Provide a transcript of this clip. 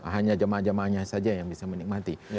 hanya jemaah jemaahnya saja yang bisa menikmati